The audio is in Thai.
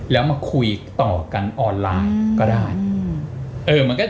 แล้วมาคุยต่อกันออนไลน์ก็ได้